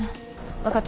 分かった。